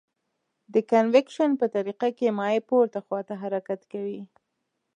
د کانویکشن په طریقه کې مایع پورته خواته حرکت کوي.